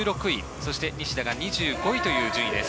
そして西田が２５位という順位です。